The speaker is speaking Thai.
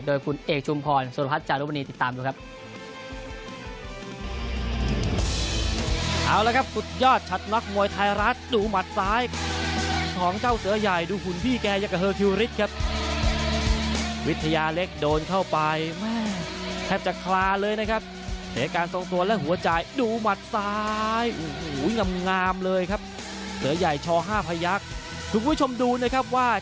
โดยคุณเอกชุมพรสุรพัฒน์จารุมณีติดตามดูครับ